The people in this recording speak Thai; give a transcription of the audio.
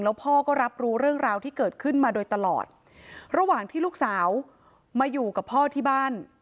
พ่อก็รับรู้เรื่องราวที่เกิดขึ้นมาโดยตลอดระหว่างที่ลูกสาวมาอยู่กับพ่อที่บ้าน